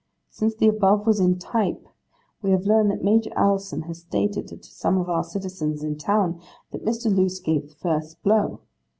Since the above was in type, we have learned that Major Allison has stated to some of our citizens in town that Mr. Loose gave the first blow.